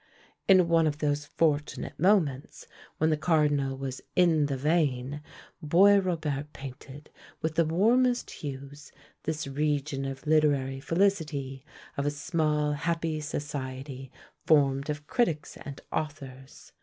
In one of those fortunate moments, when the cardinal was "in the vein," Boisrobert painted, with the warmest hues, this region of literary felicity, of a small, happy society formed of critics and authors!